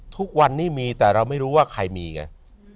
ทุกวันนี้มีแต่เราไม่รู้ว่าใครมีไง